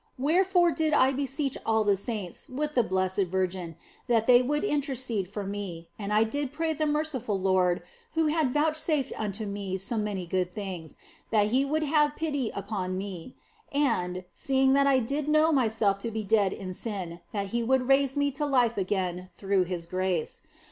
Wherefore I did beseech all the saints, with the Blessed Virgin, that they would intercede for me, and I did pray the merciful Lord (who had vouch safed unto me so many good things), that He would have pity upon me, and, seeing that I did know myself to be dead in sin, that He would raise me to life again through His grace.